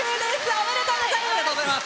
おめでとうございます。